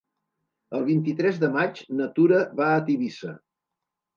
El vint-i-tres de maig na Tura va a Tivissa.